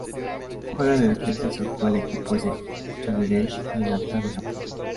Juega de defensa y su actual equipo es el Albirex Niigata de Japón.